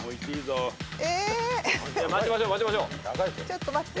ちょっと待って。